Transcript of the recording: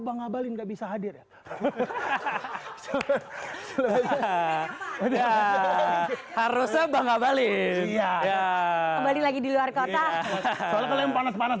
bang abalin nggak bisa hadir ya hahaha harusnya bang abalin ya lagi di luar kota panas panas